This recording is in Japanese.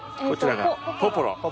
こちらがポポロ。